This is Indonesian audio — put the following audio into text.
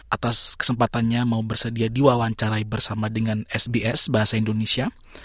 atas kesempatannya mau bersedia diwawancarai bersama dengan sbs bahasa indonesia